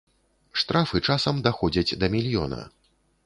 Штрафы часам даходзяць да мільёна.